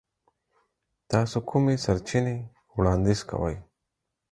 تاسو کومې سرچینې وړاندیز کوئ؟